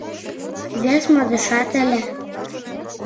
Вес модышат ыле.